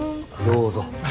どうぞ。